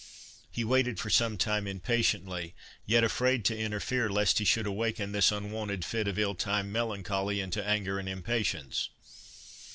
He waited for some time impatiently, yet afraid to interfere, lest he should awaken this unwonted fit of ill timed melancholy into anger and impatience.